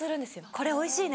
「これおいしいね」。